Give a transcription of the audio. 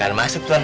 hanya dua orang